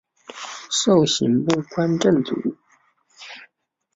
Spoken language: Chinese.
授刑部观政卒。